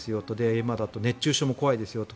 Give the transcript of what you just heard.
今だと熱中症も怖いですよと。